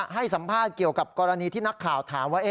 ให้สัมภาษณ์เกี่ยวกับกรณีที่นักข่าวถามว่า